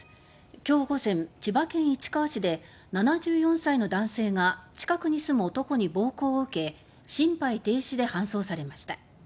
今日午前千葉県市川市で７４歳の男性が近くに住む男に暴行を受け心肺停止で搬送されました。